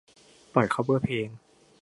ปล่อยคัฟเวอร์เพลง